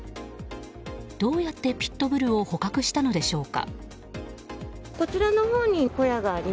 どうやってピットブルを捕獲したのでしょうか。